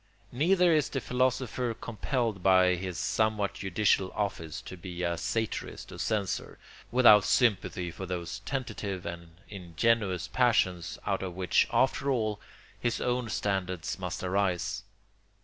Neither is the philosopher compelled by his somewhat judicial office to be a satirist or censor, without sympathy for those tentative and ingenuous passions out of which, after all, his own standards must arise.